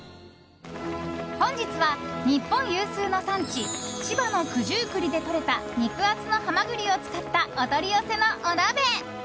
本日は日本有数の産地千葉の九十九里でとれた肉厚のハマグリを使ったお取り寄せのお鍋。